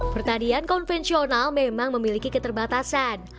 pertanian konvensional memang memiliki keterbatasan